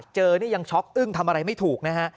เจอนี่ยังช็อกอึ้งทำอะไรไม่ถูกนะฮะ